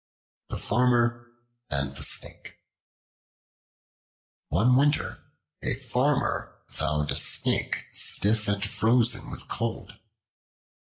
The Farmer and the Snake ONE WINTER a Farmer found a Snake stiff and frozen with cold.